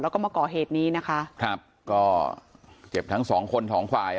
แล้วก็มาก่อเหตุนี้นะคะก็เจ็บทั้ง๒คนถองควาย